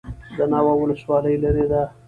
د ناوه ولسوالۍ لیرې ده